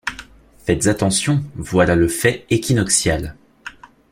Faites attention, voilà le fait équinoxial.